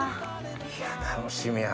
いや楽しみやな。